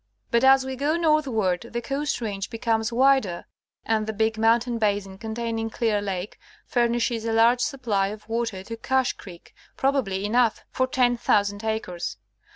But as we go northward the Coast Range becomes wider, and the big mountain basin containing Clear Lake fur nishes a large supply of water to Cache Creek, probably enough for 10,000 acres.